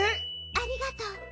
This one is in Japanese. ありがとう。